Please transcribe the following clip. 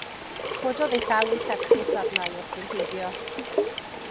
Cododd ei llaw yn serchus arna i wrth fynd heibio.